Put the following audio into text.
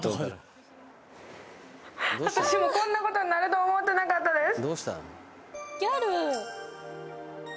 私もこんなことになると思ってなかったです